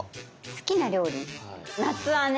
好きな料理夏はね